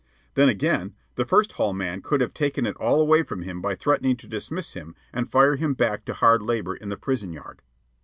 Then again, the First Hall man could have taken it all away from him by threatening to dismiss him and fire him back to hard labor in the prison yard.